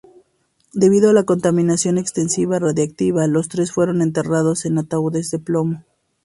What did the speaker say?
Debido a la contaminación extensiva radiactiva, los tres fueron enterrados en ataúdes de plomo.